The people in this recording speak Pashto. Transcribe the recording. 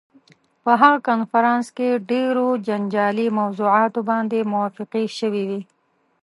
په هغه کنفرانس کې ډېرو جنجالي موضوعاتو باندې موافقې شوې وې.